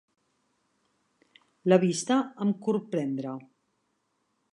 La vista em corprendre.